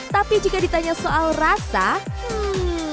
tapi jika ditanya soal rasa hmm